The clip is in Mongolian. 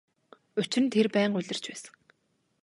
Учир нь тэр байнга улирч байсан.